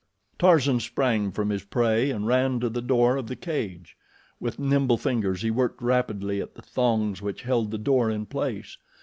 Tarzan sprang from his prey and ran to the door of the cage. With nimble fingers he worked rapidly at the thongs which held the door in place.